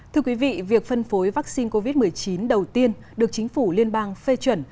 thưa quý vị việc phân phối vắc xin covid một mươi chín đầu tiên được chính phủ liên bang phát triển